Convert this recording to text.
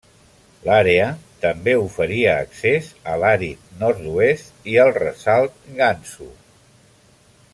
L'àrea també oferia accés a l'àrid nord-oest, i el ressalt Gansu.